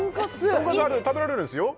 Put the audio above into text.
豚カツ食べられるんですよ